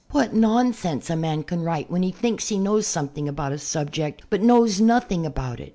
" What nonsense a man can write when he thinks he knows something about a subject but knows nothing about it.